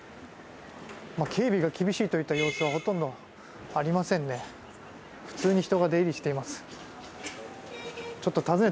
警備が厳しいといった様子はほとんどありませんね。